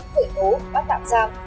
khởi tố bắt tạm xam